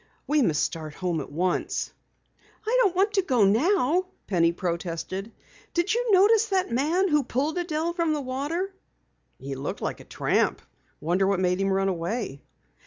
"We must start home at once." "I don't want to go now!" Penny protested. "Did you notice that man who pulled Adelle from the water?" "He looked like a tramp. I wonder what made him run away?"